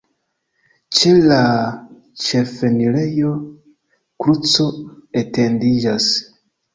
Ĉe la ĉefenirejo kruco etendiĝas.